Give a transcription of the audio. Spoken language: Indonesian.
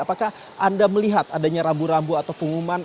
apakah anda melihat adanya rambu rambu atau pengumuman